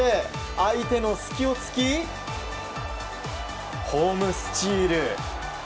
相手の隙を突き、ホームスチール。